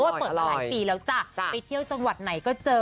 เปิดมาหลายปีแล้วจ้ะไปเที่ยวจังหวัดไหนก็เจอ